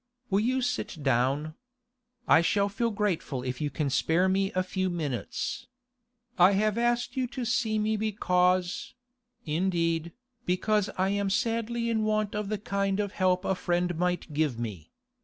'Will you sit down? I shall feel grateful if you can spare me a few minutes. I have asked you to see me because—indeed, because I am sadly in want of the kind of help a friend might give me.